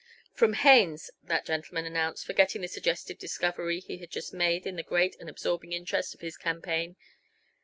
"From Haines," that gentleman announced, forgetting the suggestive discovery he had just made in the great and absorbing interest of his campaign.